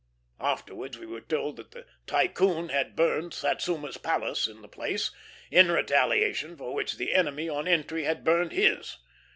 Afterwards we were told that the Tycoon had burned Satsuma's palace in the place, in retaliation for which the enemy on entry had burned his.